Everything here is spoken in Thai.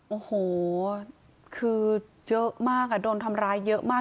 โอ้โหคือเยอะมากโดนทำร้ายเยอะมาก